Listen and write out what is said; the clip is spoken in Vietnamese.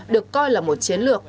được coi là một chiến lược